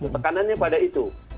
tekanannya pada itu